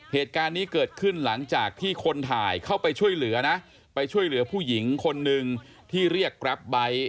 เหตุการณ์นี้เกิดขึ้นหลังจากที่คนถ่ายเข้าไปช่วยเหลือนะไปช่วยเหลือผู้หญิงคนหนึ่งที่เรียกแกรปไบท์